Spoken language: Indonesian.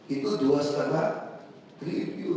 itu dua setengah ribu